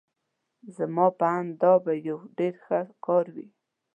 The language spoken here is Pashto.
زما په آند دا به یو ډېر ښه کار وي.